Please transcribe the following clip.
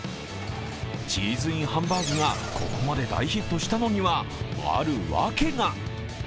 チーズＩＮハンバーグがここまで大ヒットしたのにはある訳が。